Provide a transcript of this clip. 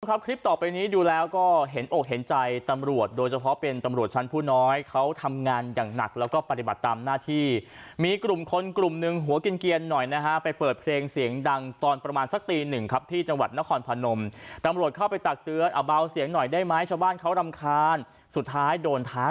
ครับคลิปต่อไปนี้ดูแล้วก็เห็นอกเห็นใจตำรวจโดยเฉพาะเป็นตำรวจชั้นผู้น้อยเขาทำงานอย่างหนักแล้วก็ปฏิบัติตามหน้าที่มีกลุ่มคนกลุ่มหนึ่งหัวกินเกียรหน่อยนะฮะไปเปิดเพลงเสียงดังตอนประมาณสักตีหนึ่งครับที่จังหวัดนครพนมตำรวจเข้าไปตักเตือนเอาเบาเสียงหน่อยได้ไหมชาวบ้านเขารำคาญสุดท้ายโดนท้า